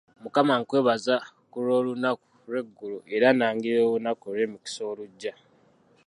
Mukama nkwebaza ku lw'olunaku lw'eggulo era nnangirira olunaku olw'emikisa olugya.